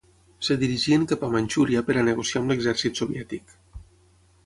Es dirigien cap a Manxúria per a negociar amb l’exèrcit soviètic.